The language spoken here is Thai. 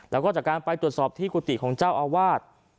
แล้วก็จากการไปตรวจสอบที่กุฏิของเจ้าอาวาส